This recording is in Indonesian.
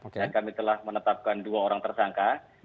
dan kami telah menetapkan dua orang tersangka